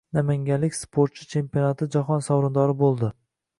Namanganlik sportchi chempionati jahon sovrindori bo‘lding